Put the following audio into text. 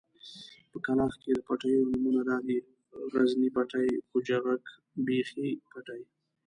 په کلاخ کې د پټيو نومونه دادي: غزني پټی، کچوغک، بېخۍ پټی.